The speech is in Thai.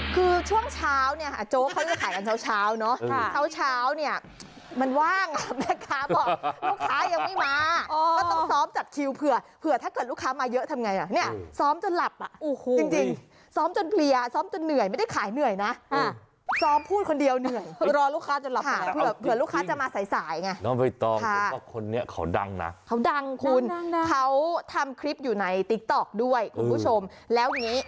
คือช่วงเช้าเนี้ยโจ๊กเขาเรียกว่าขายกันเช้าเช้าเนอะเช้าเช้าเนี้ยมันว่างอ่ะแม็กค้าบอกลูกค้ายังไม่มาก็ต้องซ้อมจัดคิวเผื่อเผื่อถ้าเกิดลูกค้ามาเยอะทำไงอ่ะเนี้ยซ้อมจนหลับอ่ะจริงจริงซ้อมจนเผลียซ้อมจนเหนื่อยไม่ได้ขายเหนื่อยนะอ่ะซ้อมพูดคนเดียวเหนื่อยรอลูกค้าจนหลับ